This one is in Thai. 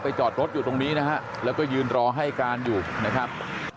จอดรถอยู่ตรงนี้นะฮะแล้วก็ยืนรอให้การอยู่นะครับ